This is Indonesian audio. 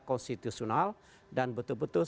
konstitusional dan betul betul